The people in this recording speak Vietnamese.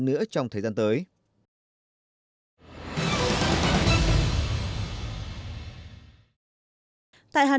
thị trường thường là nguồn